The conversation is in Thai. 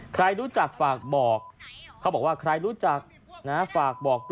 ใครรู้จักฝากบอก